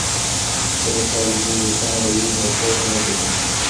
که تعلیمي ویبپاڼه وي نو پوهه نه کمیږي.